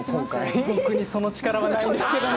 僕にその力はないんですけども。